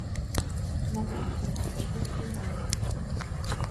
На працу нам да шостай раніцы.